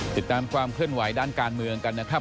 ติดตามความเคลื่อนไหวด้านการเมืองกันนะครับ